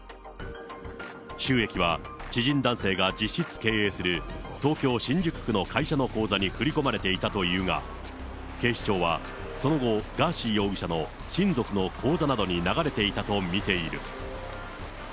収益は、知人男性が実質経営する東京・新宿区の会社の口座に振り込まれていたというが、警視庁はその後、ガーシー容疑者の親族の口座などに流れていたと見ている。